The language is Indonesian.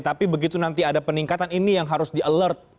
tapi begitu nanti ada peningkatan ini yang harus di alert